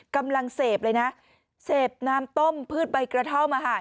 กำลังเสพเลยนะเสพน้ำต้มพืชใบกระท่อมอาหาร